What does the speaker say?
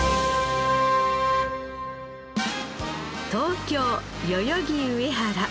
東京代々木上原。